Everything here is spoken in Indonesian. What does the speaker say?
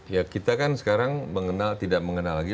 ya kita kan sekarang mengenal tidak mengenal lagi